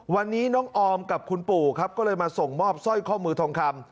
วันนี้น้องออมกับคุณปู่ครับก็เลยมาส่งมอบสร้อยข้อมือทองคำ